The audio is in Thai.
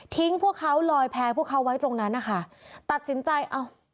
พวกเขาลอยแพ้พวกเขาไว้ตรงนั้นนะคะตัดสินใจเอ้า